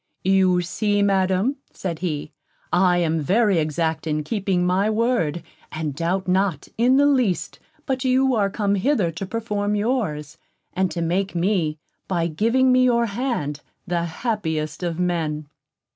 "You see, Madam," said he, "I am very exact in keeping my word, and doubt not, in the least, but you are come hither to perform yours, and to make me, by giving me your hand, the happiest of men."